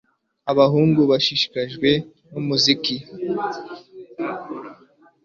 Abahungu bashishikajwe numuziki